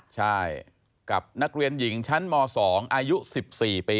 ใช่กับนักเรียนหญิงชั้นม๒อายุ๑๔ปี